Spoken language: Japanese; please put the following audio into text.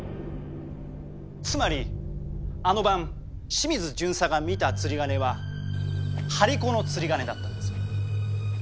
つまりあの晩清水巡査が見た釣り鐘は張り子の釣り鐘だったんです。